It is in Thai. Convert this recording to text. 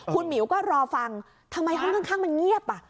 คุณหมิวก็รอฟังทำไมห้องข้างมันเงียบ